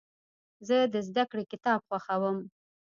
زه د زدهکړې کتاب خوښوم.